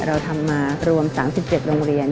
เราทำมารวม๓๗โรงเรียน